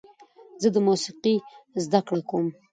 زه د موسیقۍ زده کړه کوم.